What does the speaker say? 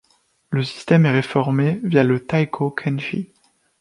Le système est réformé via le Taikō kenchi.